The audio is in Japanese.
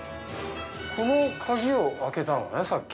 この鍵を開けたのねさっき。